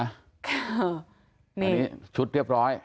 อันนี้ชุดเรียบร้อย